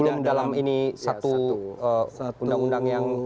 jadi ini satu undang undang yang khusus